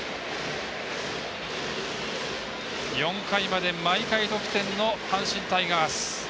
４回まで毎回得点の阪神タイガース。